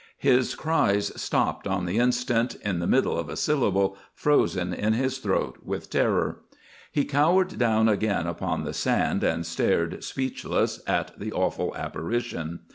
His cries stopped on the instant, in the middle of a syllable, frozen in his throat with terror. He cowered down again upon the sand, and stared, speechless, at the awful apparition.